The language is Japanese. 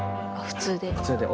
普通で。